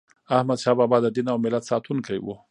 احمدشاه بابا د دین او ملت ساتونکی و.